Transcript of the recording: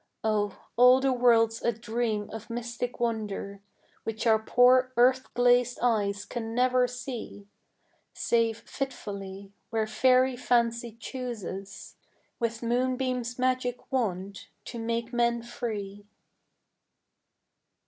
Oh, all the world's a dream of mystic wonder, Which our poor earth glazed eyes can never see, Save fitfully, where fairy fancy chooses With moonbeams' magic wand to make men free.